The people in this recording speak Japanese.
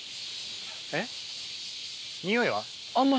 えっ？